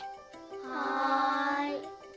はい。